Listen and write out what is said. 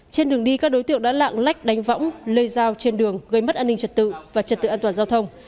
trên đường đi các đối tượng đã lạng lách đánh võng lây dao trên đường gây mất an ninh trật tự và trật tự an toàn giao thông